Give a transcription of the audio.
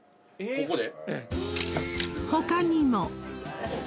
ここで？